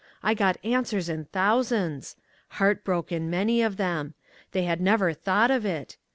I got answers in thousands! Heart broken, many of them. They had never thought of it!